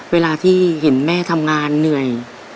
เวลาที่เห็นแม่ทำงานเหนื่อย